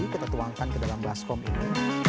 kita tuangkan ke dalam baskom ini